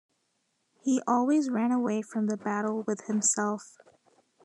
He always ran away from the battle with himself.